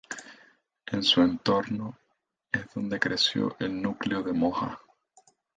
En su entorno es donde creció el núcleo de Moja.